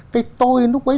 cái tôi lúc ấy